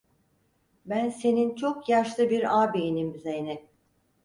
Ben senin çok yaşlı bir ağabeyinim Zeynep…